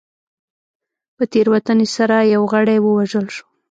په تېروتنې سره یو غړی ووژل شو.